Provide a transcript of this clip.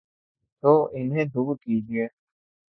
تو انہیں دور کیجیے۔